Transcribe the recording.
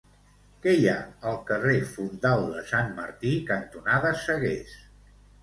Què hi ha al carrer Fondal de Sant Martí cantonada Sagués?